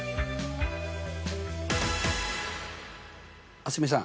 蒼澄さん。